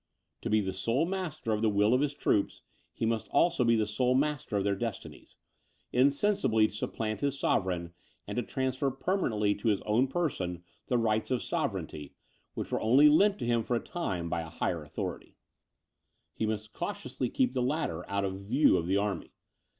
To be the sole master of the will of his troops, he must also be the sole master of their destinies; insensibly to supplant his sovereign, and to transfer permanently to his own person the rights of sovereignty, which were only lent to him for a time by a higher authority, he must cautiously keep the latter out of the view of the army.